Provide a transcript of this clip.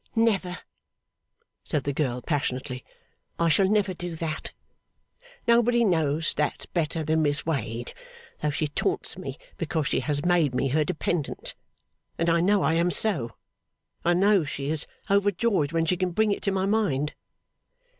'Never!' said the girl passionately. 'I shall never do that. Nobody knows that better than Miss Wade, though she taunts me because she has made me her dependent. And I know I am so; and I know she is overjoyed when she can bring it to my mind.